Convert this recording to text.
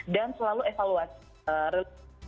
dan selalu evaluasi